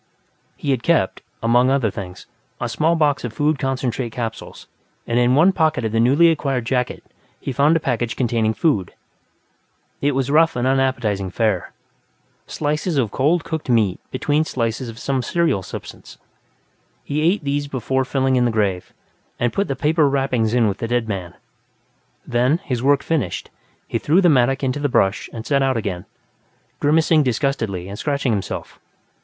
He had kept, among other things, a small box of food concentrate capsules, and in one pocket of the newly acquired jacket he found a package containing food. It was rough and unappetizing fare slices of cold cooked meat between slices of some cereal substance. He ate these before filling in the grave, and put the paper wrappings in with the dead man. Then, his work finished, he threw the mattock into the brush and set out again, grimacing disgustedly and scratching himself.